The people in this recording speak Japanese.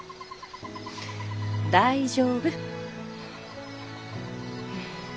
大丈夫。